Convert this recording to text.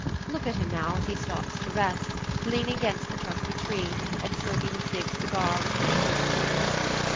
Look at him now, as he stops to rest, leaning against the trunk of a tree, and smoking his big cigar with easy enjoyment.